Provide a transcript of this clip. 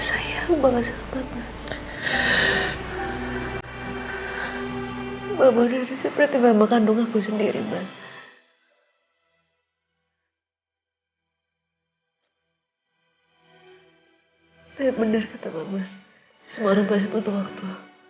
ayah benar kata mama semua orang pasti butuh waktu